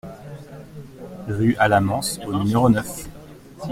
Rue Alamans au numéro neuf